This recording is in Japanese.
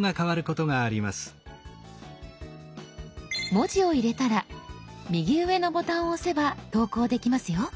文字を入れたら右上のボタンを押せば投稿できますよ。